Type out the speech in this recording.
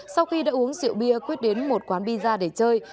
sau khi đã uống rượu bia quyết đến một quán pizza để chơi